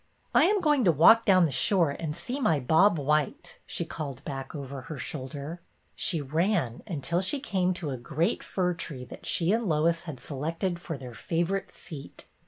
I am going to walk down the shore and see my Bob white," she called back over her shoulder. She ran until she came to a great fir tree that she and Lois had selected for their favorite seat.